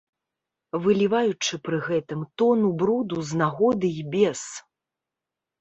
Выліваючы пры гэтым тону бруду з нагоды і без.